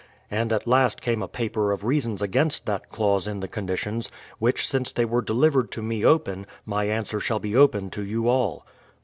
And at last came a paper of reasons against that clause in the conditions, which since they were delivered to me open, my answer shall be open to you all.